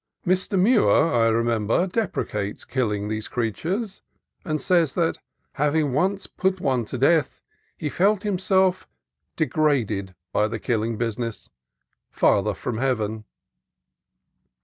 Mr. Muir, I remember, deprecates killing these creatures, and says that, having once put one to death, he felt himself "degraded by the killing business, farther from heaven."